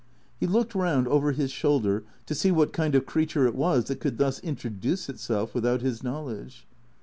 He looked round over his shoulder to see what kind of creature it was that coukl thus introduce itself without his knowledge.